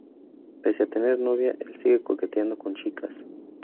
Pese a tener novia el sigue coqueteando con chicas.